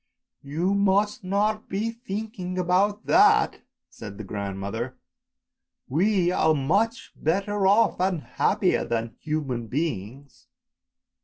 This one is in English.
" You must not be thinking about that," said the grand mother, " we are much better off and happier than human beings."